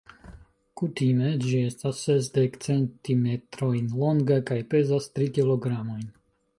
Kutime ĝi estas sesdek centimetrojn longa kaj pezas tri kilogramojn.